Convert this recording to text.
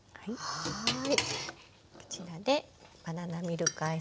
はい。